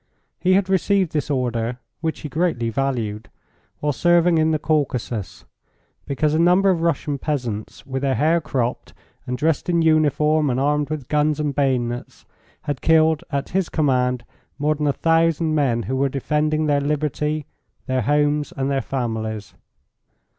He had received this order, which he greatly valued, while serving in the Caucasus, because a number of Russian peasants, with their hair cropped, and dressed in uniform and armed with guns and bayonets, had killed at his command more than a thousand men who were defending their liberty, their homes, and their families.